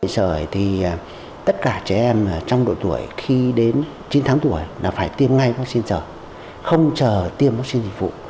sởi thì tất cả trẻ em trong độ tuổi khi đến chín tháng tuổi là phải tiêm ngay mắc xin sởi không chờ tiêm mắc xin dịch vụ